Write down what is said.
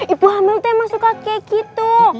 ibu hamil tuh emang suka kayak gitu